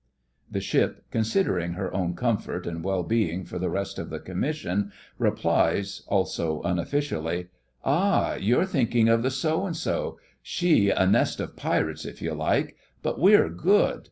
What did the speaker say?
The ship, considering her own comfort and well being for the rest of the commission, replies, also unofficially: 'Ah, you're thinking of the So and so. She a nest of pirates if you like: but we're good.